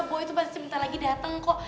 boy tuh masih sebentar lagi dateng kok